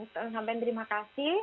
tolong sampein terima kasih